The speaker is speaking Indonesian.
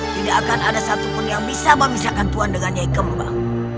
tidak akan ada satupun yang bisa mengisahkan tuan dengan eik kembal